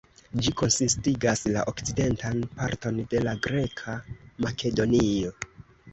Ĝi konsistigas la okcidentan parton de la greka Makedonio.